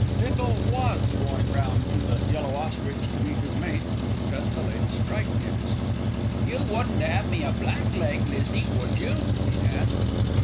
Bindle was going round to The Yellow Ostrich to meet his mates, and discuss the latest strike news. "You wouldn't 'ave me a blackleg, Lizzie, would you?" he asked.